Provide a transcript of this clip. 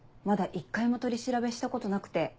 一回も取り調べしたことなくて。